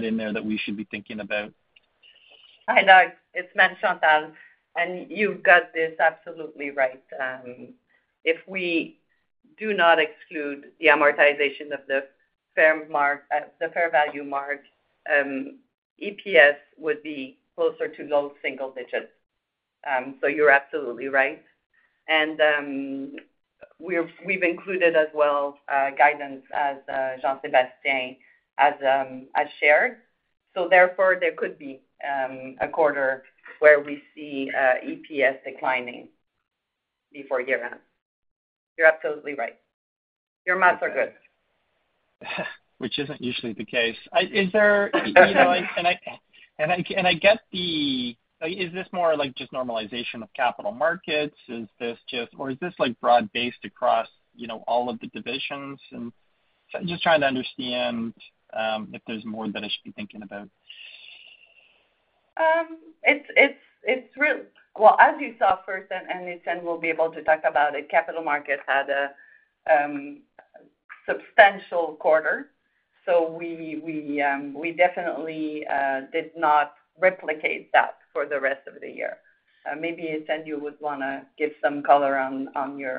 in there that we should be thinking about? Hi, Doug. It's Marie Chantal. And you've got this absolutely right. If we do not exclude the amortization of the fair value mark, EPS would be closer to low single digits. So you're absolutely right. And we've included as well guidance as Jean-Sébastien has shared. So therefore, there could be a quarter where we see EPS declining before year-end. You're absolutely right. Your math is good. Which isn't usually the case. Is there anything else? And I get, is this more like just normalization of capital markets? Is this just or is this broad-based across all of the divisions? And just trying to understand if there's more that I should be thinking about. As you saw first, and Étienne will be able to talk about it, capital markets had a substantial quarter. So we definitely did not replicate that for the rest of the year. Maybe Étienne, you would want to give some color on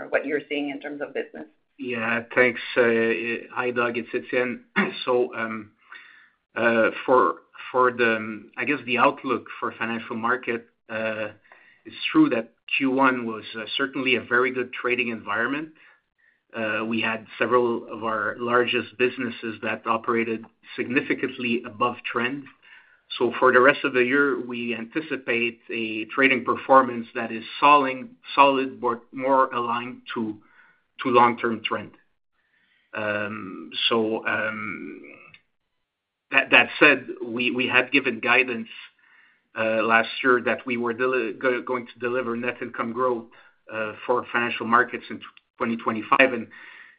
what you're seeing in terms of business. Yeah. Thanks. Hi, Doug. It's Étienne. So for the, I guess, outlook for Financial Markets, it's true that Q1 was certainly a very good trading environment. We had several of our largest businesses that operated significantly above trend. So for the rest of the year, we anticipate a trading performance that is solid, but more aligned to long-term trend. So that said, we had given guidance last year that we were going to deliver net income growth for Financial Markets in 2025.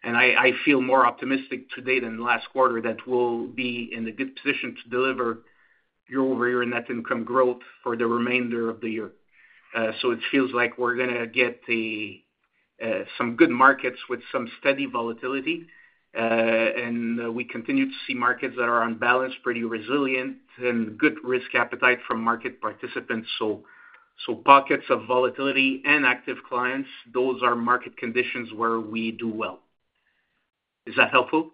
I feel more optimistic today than last quarter that we'll be in a good position to deliver year-over-year net income growth for the remainder of the year. It feels like we're going to get some good markets with some steady volatility. We continue to see markets that are unbalanced, pretty resilient, and good risk appetite from market participants. Pockets of volatility and active clients, those are market conditions where we do well. Is that helpful?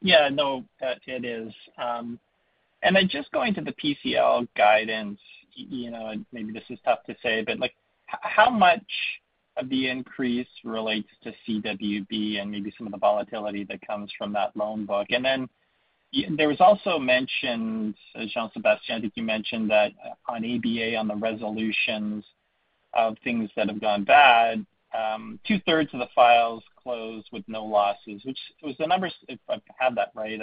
Yeah. No, it is. Then just going to the PCL guidance, maybe this is tough to say, but how much of the increase relates to CWB and maybe some of the volatility that comes from that loan book? And then there was also mentioned, Jean-Sébastien, I think you mentioned that on ABA, on the resolutions of things that have gone bad, 2/3 of the files closed with no losses, which was the numbers, if I have that right,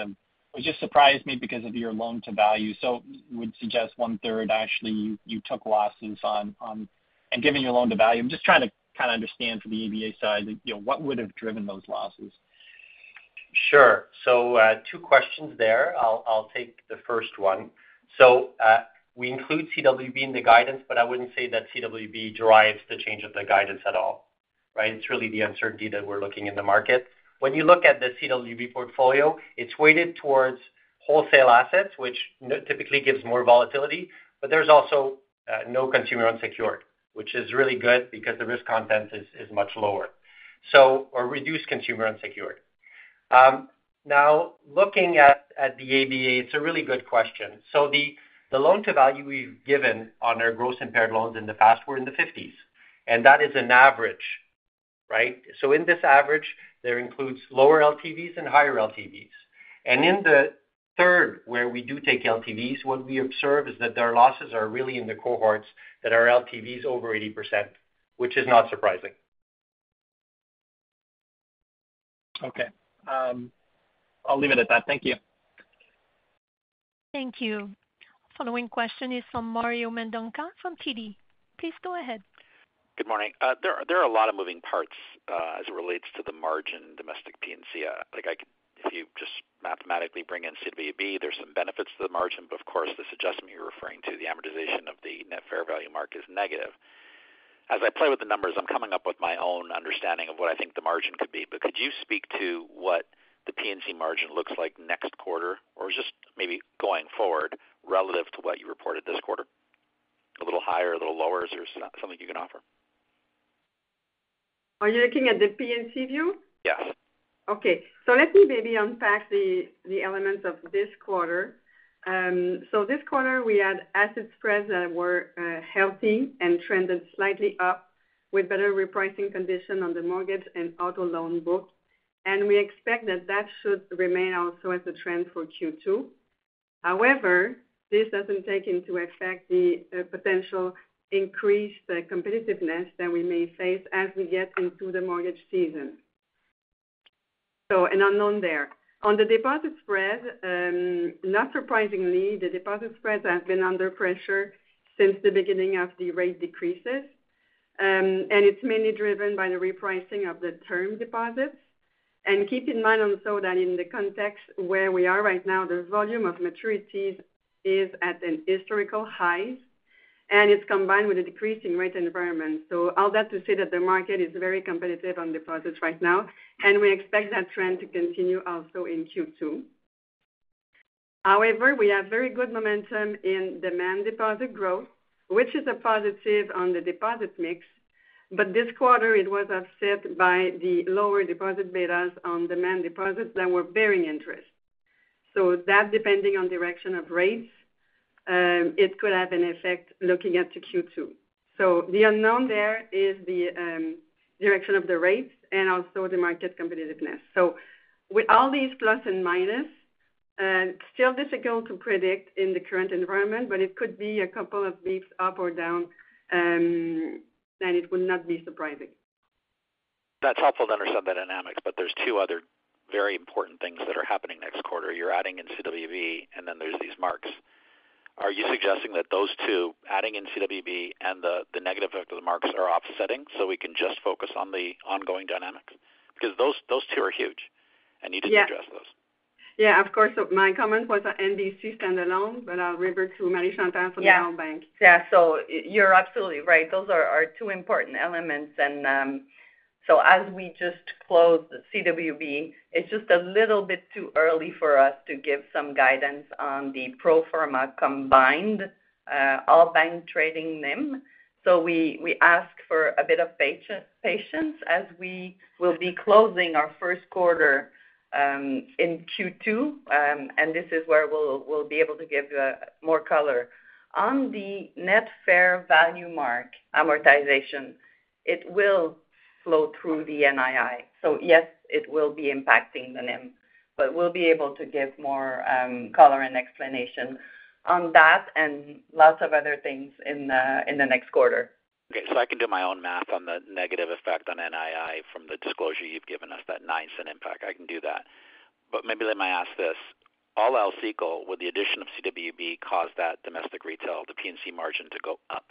was just surprised me because of your loan-to-value. So would suggest 1/3, actually, you took losses on. And given your loan-to-value, I'm just trying to kind of understand from the ABA side what would have driven those losses. Sure. So two questions there. I'll take the first one. So we include CWB in the guidance, but I wouldn't say that CWB drives the change of the guidance at all, right? It's really the uncertainty that we're looking in the market. When you look at the CWB portfolio, it's weighted towards wholesale assets, which typically gives more volatility. But there's also no consumer unsecured, which is really good because the risk content is much lower or reduced consumer unsecured. Now, looking at the ABA, it's a really good question. So the loan-to-value we've given on our gross impaired loans in the past were in the 50s. And that is an average, right? So in this average, there includes lower LTVs and higher LTVs. And in the third, where we do take LTVs, what we observe is that their losses are really in the cohorts that are LTVs over 80%, which is not surprising. Okay. I'll leave it at that. Thank you. Thank you. Following question is from Mario Mendonca from TD. Please go ahead. Good morning. There are a lot of moving parts as it relates to the margin domestic P&C. If you just mathematically bring in CWB, there's some benefits to the margin, but of course, this adjustment you're referring to, the amortization of the net fair value mark, is negative. As I play with the numbers, I'm coming up with my own understanding of what I think the margin could be. But could you speak to what the P&C margin looks like next quarter or just maybe going forward relative to what you reported this quarter? A little higher, a little lower? Is there something you can offer? Are you looking at the P&C view? Yes. Okay. So let me maybe unpack the elements of this quarter. So this quarter, we had asset spreads that were healthy and trended slightly up with better repricing conditions on the mortgage and auto loan book. And we expect that that should remain also as the trend for Q2. However, this doesn't take into effect the potential increased competitiveness that we may face as we get into the mortgage season. So an unknown there. On the deposit spread, not surprisingly, the deposit spreads have been under pressure since the beginning of the rate decreases. And it's mainly driven by the repricing of the term deposits. And keep in mind also that in the context where we are right now, the volume of maturities is at an historical high, and it's combined with a decreasing rate environment. So all that to say that the market is very competitive on deposits right now. And we expect that trend to continue also in Q2. However, we have very good momentum in demand deposit growth, which is a positive on the deposit mix. But this quarter, it was upset by the lower deposit betas on demand deposits that were bearing interest. So that, depending on the direction of rates, it could have an effect looking at Q2, so the unknown there is the direction of the rates and also the market competitiveness, so with all these plus and minus, still difficult to predict in the current environment, but it could be a couple of beats up or down, and it would not be surprising. That's helpful to understand the dynamics, but there's two other very important things that are happening next quarter. You're adding in CWB, and then there's these marks. Are you suggesting that those two, adding in CWB and the negative effect of the marks, are offsetting so we can just focus on the ongoing dynamics? Because those two are huge, and you didn't address those. Yeah. Of course. My comment was NBC standalone, but I'll revert to Marie Chantal for the All Bank. Yeah. So you're absolutely right. Those are two important elements. And so as we just closed CWB, it's just a little bit too early for us to give some guidance on the pro forma combined all-bank trading NIM. So we ask for a bit of patience as we will be closing our first quarter in Q2. And this is where we'll be able to give you more color. On the net fair value mark amortization, it will flow through the NII. So yes, it will be impacting the NIM, but we'll be able to give more color and explanation on that and lots of other things in the next quarter. Okay. So I can do my own math on the negative effect on NII from the disclosure you've given us, that NII impact. I can do that. But maybe let me ask this. All else equal, with the addition of CWB, caused that domestic retail, the P&C margin, to go up?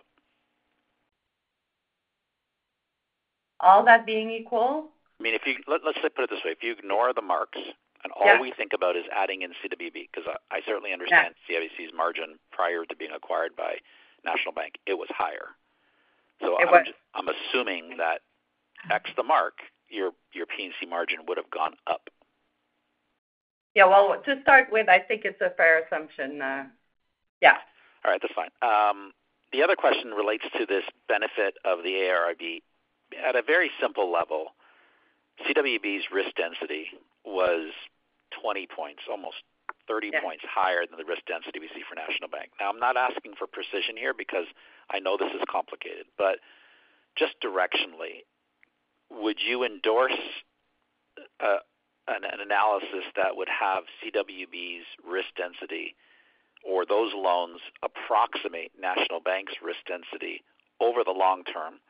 All that being equal? I mean, let's put it this way. If you ignore the marks and all we think about is adding in CWB, because I certainly understand CWB's margin prior to being acquired by National Bank, it was higher. So I'm assuming that ex the mark, your P&C margin would have gone up. Yeah. Well, to start with, I think it's a fair assumption. Yeah. All right. That's fine. The other question relates to this benefit of the AIRB. At a very simple level, CWB's risk density was 20 points, almost 30 points higher than the risk density we see for National Bank. Now, I'm not asking for precision here because I know this is complicated. But just directionally, would you endorse an analysis that would have CWB's risk density or those loans approximate National Bank's risk density over the long term?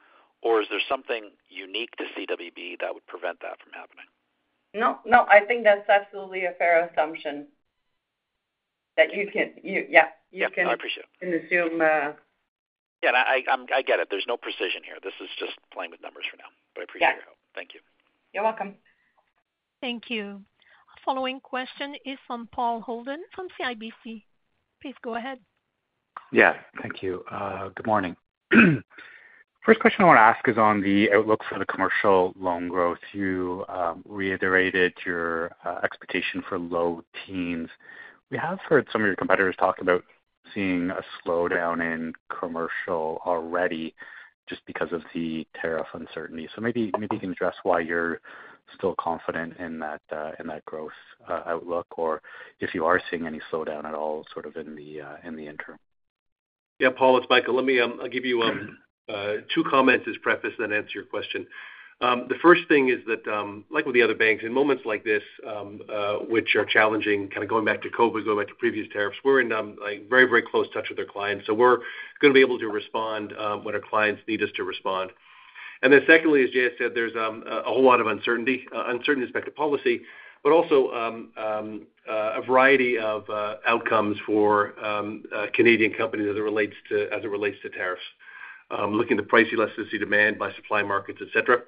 Or is there something unique to CWB that would prevent that from happening? No, no. I think that's absolutely a fair assumption that you can, yeah, you can assume. Yeah. I appreciate it. Yeah. And I get it. There's no precision here. This is just playing with numbers for now. But I appreciate your help. Thank you. You're welcome. Thank you. Following question is from Paul Holden from CIBC. Please go ahead. Yeah. Thank you. Good morning. First question I want to ask is on the outlook for the commercial loan growth. You reiterated your expectation for low teens. We have heard some of your competitors talk about seeing a slowdown in commercial already just because of the tariff uncertainty. So maybe you can address why you're still confident in that growth outlook or if you are seeing any slowdown at all, sort of in the interim. Yeah. Paul, it's Michael. I'll give you two comments as preface and then answer your question. The first thing is that, like with the other banks, in moments like this, which are challenging, kind of going back to COVID, going back to previous tariffs, we're in very, very close touch with our clients. So we're going to be able to respond when our clients need us to respond. And then secondly, as Jean said, there's a whole lot of uncertainty, uncertainty aspect of policy, but also a variety of outcomes for Canadian companies as it relates to tariffs, looking at the price elasticity, demand by supply markets, etc.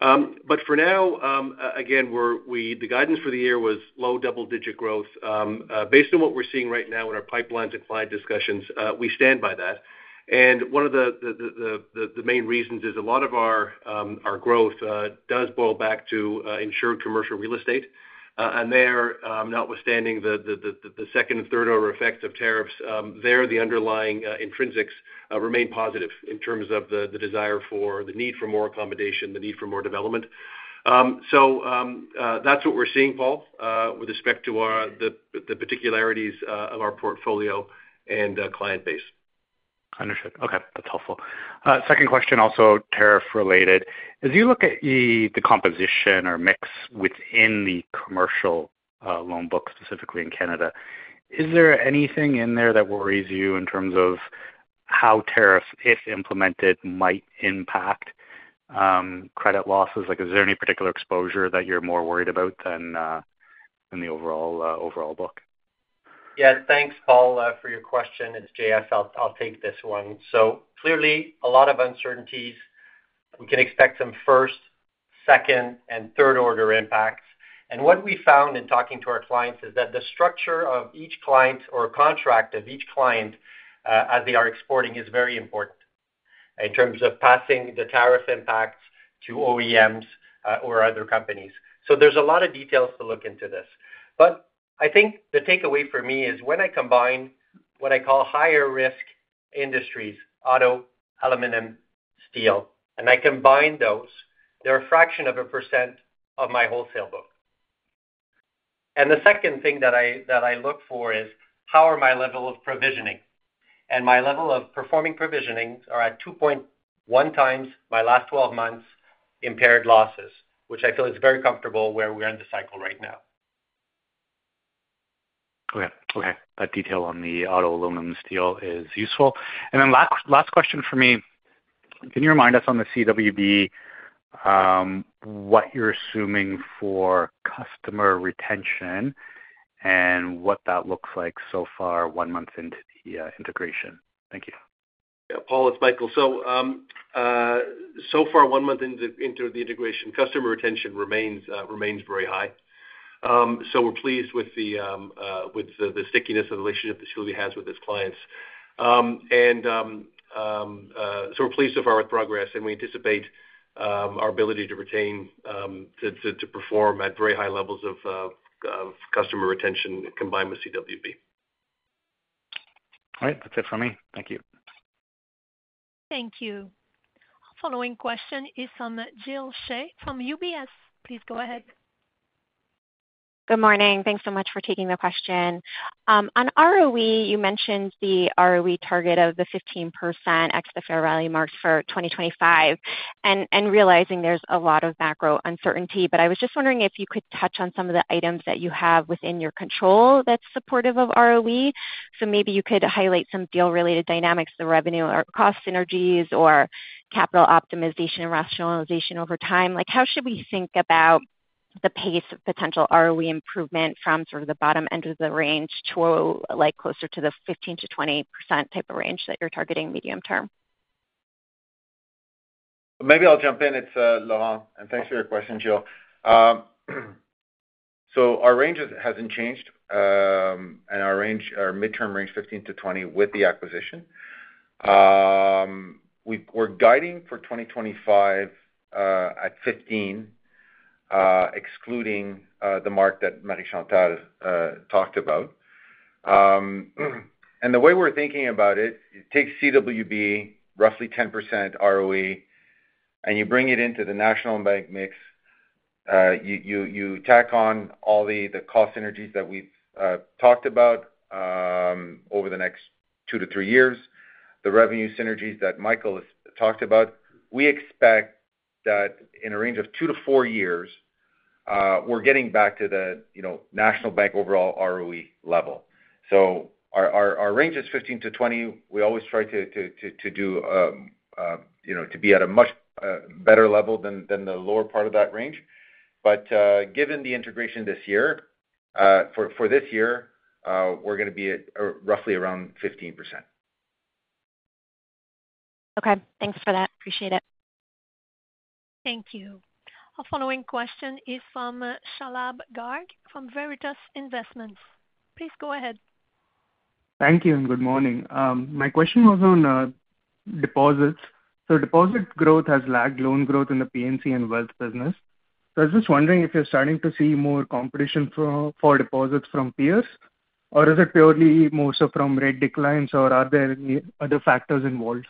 But for now, again, the guidance for the year was low double-digit growth. Based on what we're seeing right now in our pipeline to client discussions, we stand by that. And one of the main reasons is a lot of our growth does boil back to insured commercial real estate. And there, notwithstanding the second and third-order effects of tariffs, there, the underlying intrinsics remain positive in terms of the desire for the need for more accommodation, the need for more development. So that's what we're seeing, Paul, with respect to the particularities of our portfolio and client base. Understood. Okay. That's helpful. Second question, also tariff-related. As you look at the composition or mix within the commercial loan book, specifically in Canada, is there anything in there that worries you in terms of how tariffs, if implemented, might impact credit losses? Is there any particular exposure that you're more worried about than the overall book? Yeah. Thanks, Paul, for your question. It's Jean. I felt. I'll take this one. So clearly, a lot of uncertainties. We can expect some first, second, and third-order impacts. And what we found in talking to our clients is that the structure of each client or contract of each client as they are exporting is very important in terms of passing the tariff impacts to OEMs or other companies. So there's a lot of details to look into this. But I think the takeaway for me is when I combine what I call higher-risk industries, auto, aluminum, steel, and I combine those, they're a fraction of a percent of my wholesale book. And the second thing that I look for is how are my level of provisioning. And my level of performing provisions are at 2.1x my last 12 months impaired losses, which I feel is very comfortable where we're in the cycle right now. Okay. Okay. That detail on the auto, aluminum, steel is useful. And then last question for me, can you remind us on the CWB what you're assuming for customer retention and what that looks like so far one month into the integration? Thank you. Yeah. Paul, it's Michael. So so far one month into the integration, customer retention remains very high. So we're pleased with the stickiness of the relationship that CWB has with its clients. And so we're pleased so far with progress, and we anticipate our ability to retain, to perform at very high levels of customer retention combined with CWB. All right. That's it for me. Thank you. Thank you. Following question is from Jill Shea from UBS. Please go ahead. Good morning. Thanks so much for taking the question. On ROE, you mentioned the ROE target of the 15% ex the fair value marks for 2025 and realizing there's a lot of macro uncertainty. But I was just wondering if you could touch on some of the items that you have within your control that's supportive of ROE. So maybe you could highlight some deal-related dynamics, the revenue or cost synergies or capital optimization and rationalization over time. How should we think about the pace of potential ROE improvement from sort of the bottom end of the range to closer to the 15%-20% type of range that you're targeting medium term? Maybe I'll jump in. It's Laurent. And thanks for your question, Jill. So our range hasn't changed. And our midterm range 15%-20% with the acquisition. We're guiding for 2025 at 15%, excluding the mark that Marie Chantal talked about. The way we're thinking about it, it takes CWB roughly 10% ROE, and you bring it into the National Bank mix. You tack on all the cost synergies that we've talked about over the next two to three years, the revenue synergies that Michael has talked about. We expect that in a range of two to four years, we're getting back to the National Bank overall ROE level. Our range is 15%-20%. We always try to do to be at a much better level than the lower part of that range. But given the integration this year, for this year, we're going to be roughly around 15%. Okay. Thanks for that. Appreciate it. Thank you. The following question is from Shalabh Garg VERITAS INVESTMENT. Please go ahead. Thank you and good morning. My question was on deposits. So deposit growth has lagged loan growth in the P&C and wealth business. So I was just wondering if you're starting to see more competition for deposits from peers, or is it purely mostly from rate declines, or are there other factors involved?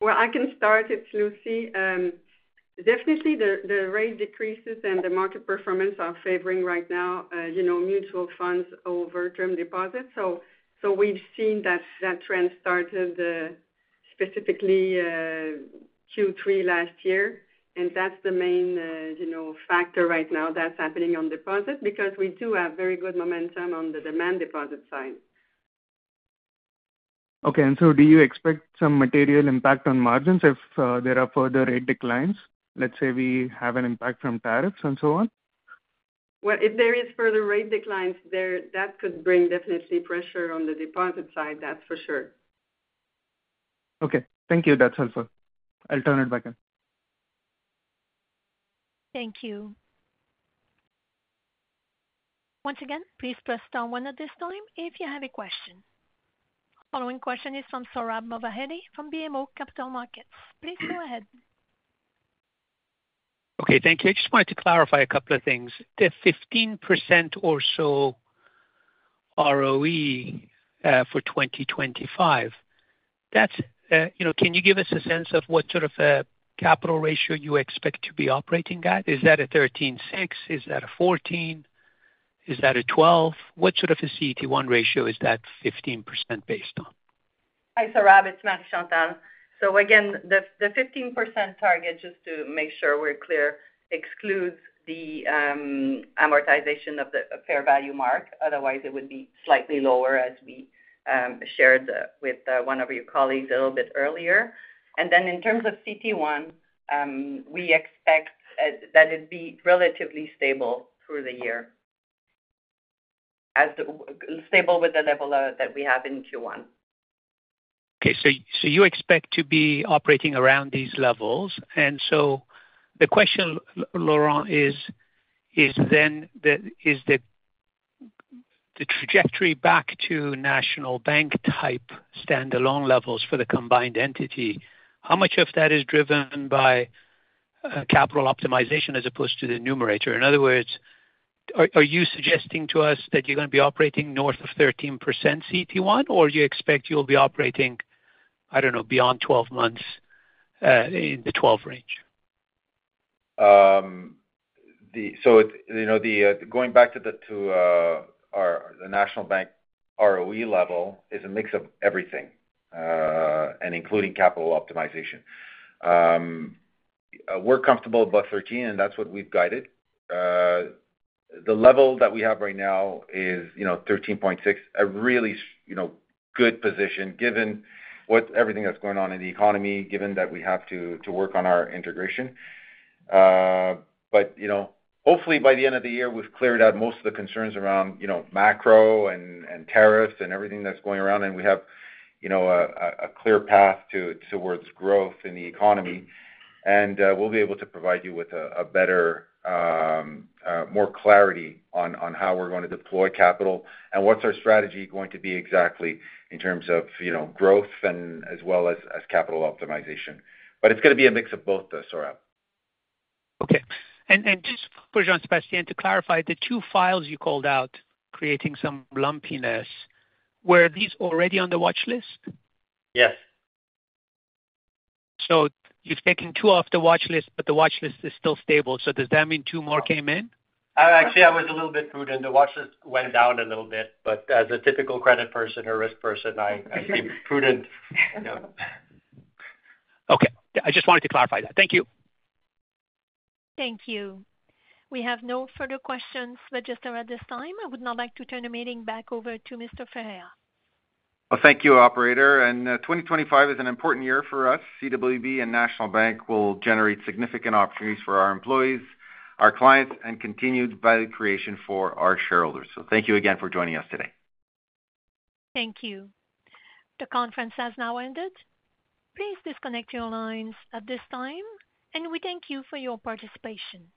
Well, I can start. It's Lucie. Definitely, the rate decreases and the market performance are favoring right now mutual funds over term deposits. So we've seen that trend started specifically Q3 last year. And that's the main factor right now that's happening on deposits because we do have very good momentum on the demand deposit side. Okay. And so do you expect some material impact on margins if there are further rate declines? Let's say we have an impact from tariffs and so on. Well, if there is further rate declines, that could bring definitely pressure on the deposit side, that's for sure. Okay. Thank you. That's helpful. I'll turn it back in. Thank you. Once again, please press star one at this time if you have a question. Following question is from Sohrab Movahedi from BMO Capital Markets. Please go ahead. Okay. Thank you. I just wanted to clarify a couple of things. The 15% or so ROE for 2025, can you give us a sense of what sort of capital ratio you expect to be operating at? Is that a 13.6? Is that a 14? Is that a 12? What sort of a CET1 ratio is that 15% based on? Hi, Sohrab. It's Marie Chantal. So again, the 15% target, just to make sure we're clear, excludes the amortization of the fair value mark. Otherwise, it would be slightly lower as we shared with one of your colleagues a little bit earlier. And then in terms of CET1, we expect that it'd be relatively stable through the year, stable with the level that we have in Q1. Okay. So you expect to be operating around these levels. And so the question, Laurent, is then the trajectory back to National Bank-type standalone levels for the combined entity, how much of that is driven by capital optimization as opposed to the numerator? In other words, are you suggesting to us that you're going to be operating north of 13% CET1, or do you expect you'll be operating, I don't know, beyond 12 months in the 12% range? So going back to the National Bank ROE level is a mix of everything and including capital optimization. We're comfortable above 13%, and that's what we've guided. The level that we have right now is 13.6, a really good position given everything that's going on in the economy, given that we have to work on our integration, but hopefully, by the end of the year, we've cleared out most of the concerns around macro and tariffs and everything that's going around, and we have a clear path towards growth in the economy, and we'll be able to provide you with a better, more clarity on how we're going to deploy capital and what's our strategy going to be exactly in terms of growth as well as capital optimization, but it's going to be a mix of both, Sohrab. Okay, and just for Jean-Sébastien, to clarify, the two files you called out creating some lumpiness, were these already on the watch list? Yes. So you've taken two off the watch list, but the watch list is still stable. So does that mean two more came in? Actually, I was a little bit prudent. The watch list went down a little bit. But as a typical credit person or risk person, I'd be prudent. Okay. I just wanted to clarify that. Thank you. Thank you. We have no further questions, but just around this time, I would now like to turn the meeting back over to Mr. Ferreira. Well, thank you, operator. And 2025 is an important year for us. CWB and National Bank will generate significant opportunities for our employees, our clients, and continued value creation for our shareholders. So thank you again for joining us today. Thank you. The conference has now ended. Please disconnect your lines at this time, and we thank you for your participation.